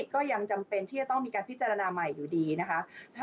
ก็ยังจำเป็นที่จะต้องมีการพิจารณาใหม่อยู่ดีนะคะ